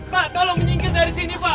pak kalau menyingkir dari sini pak